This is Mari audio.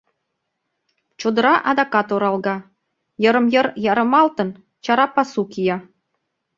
Чодыра адакат оралга, йырым-йыр ярымалтын, чара пасу кия.